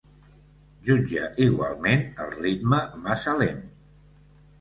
Jutja igualment el ritme massa lent.